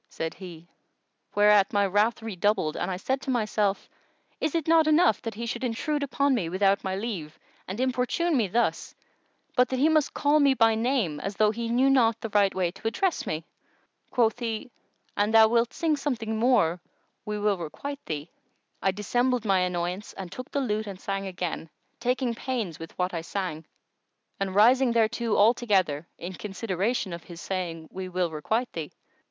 [FN#120] said he; whereat my wrath redoubled and I said to myself, "Is it not enough that he should intrude upon me, without my leave, and importune me thus, but he must call me by name, as though he knew not the right way to address me?" Quoth he, "An thou wilt sing something more we will requite thee." I dissembled my annoyance and took the lute and sang again, taking pains with what I sang and rising thereto altogether, in consideration of his saying, "We will requite thee."